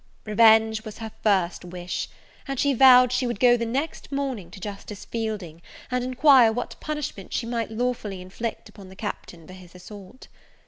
Revenge was her first wish; and she vowed she would go the next morning to Justice Fielding, and inquire what punishment she might lawfully inflict upon the Captain for his assault.